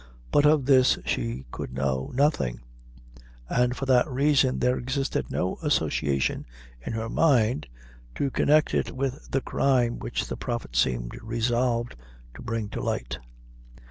But of this she could know nothing, and for that reason there existed no association, in her mind, to connect it with the crime which the Prophet seemed resolved to bring to light.